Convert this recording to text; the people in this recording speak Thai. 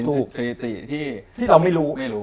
เป็นสถิติที่เราไม่รู้